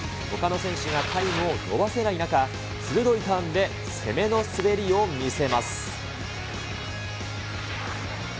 ほかの選手がタイムを伸ばせない中、鋭いターンで攻めの滑りを見せます。